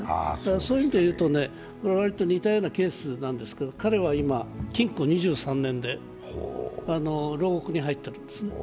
そういう意味で言うとわりと似たようなケースなんですけれども、彼は今、禁錮２３年で牢獄に入ってるんですね。